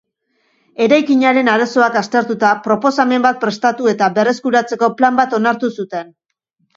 Eraikinaren arazoak aztertuta, proposamen bat prestatu eta berreskuratzeko plan bat onartu zuten.